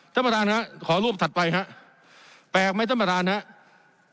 ท่านประธานครับขอรูปถัดไปฮะแปลกไหมท่านประธานครับ